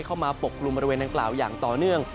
เข้ามาปกกลุ่มบริเวณตอนกลางอย่างต่อเนื่อง